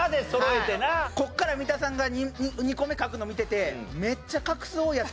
ここから三田さんが２個目書くの見てて。